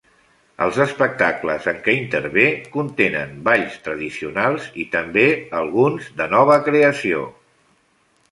Els espectacles en què intervé contenen balls tradicionals i també alguns de creació nova.